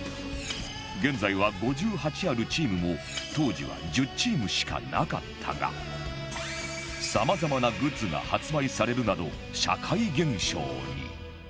現在は５８あるチームも当時は１０チームしかなかったがさまざまなグッズが発売されるなど社会現象に